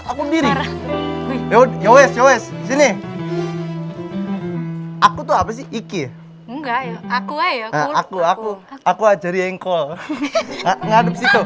aku sendiri yowes sini aku tuh apa sih ini aku aku aku aku aku ajar engkol ngadep situ